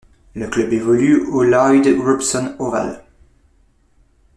Le club évolue au Lloyd Robson Oval.